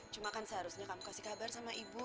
cuma kan seharusnya kamu kasih kabar sama ibu